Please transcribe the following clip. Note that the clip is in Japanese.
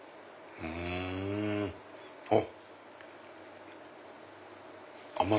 うん！あっ。